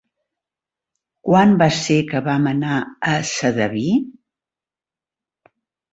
Quan va ser que vam anar a Sedaví?